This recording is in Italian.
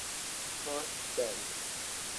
Fort Bend